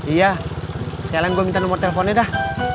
iya sekarang gue minta nomor teleponnya dah